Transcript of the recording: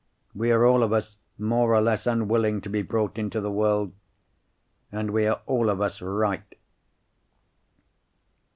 We are all of us more or less unwilling to be brought into the world. And we are all of us right."